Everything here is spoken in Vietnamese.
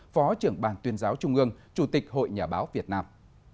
phó trưởng ban tuyên giáo trung ương chủ tịch hội nhà báo việt nam